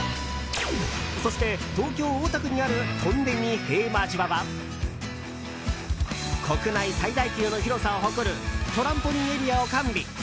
そして東京・大田区にあるトンデミ平和島は国内最大級の広さを誇るトランポリンエリアを完備。